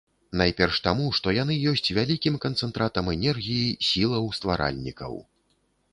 Найперш таму, што яны ёсць вялікім канцэнтратам энергіі, сілаў стваральнікаў.